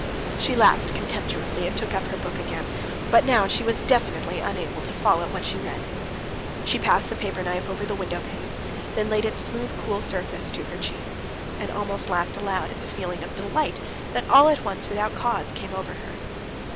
She laughed contemptuously and took up her book again; but now she was definitely unable to follow what she read. She passed the paper knife over the window pane, then laid its smooth, cool surface to her cheek, and almost laughed aloud at the feeling of delight that all at once without cause came over her.